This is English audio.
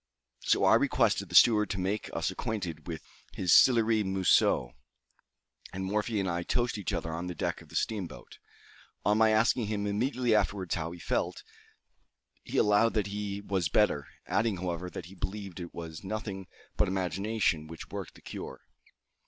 So I requested the steward to make us acquainted with his Silléry Mousseux, and Morphy and I toasted each other on the deck of the steamboat. On my asking him immediately afterwards how he felt, he allowed that he was better; adding, however, that he believed it was nothing but imagination which worked the cure.